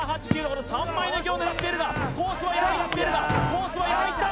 この３枚抜きを狙っているがコースは山いっているがコースは山いった！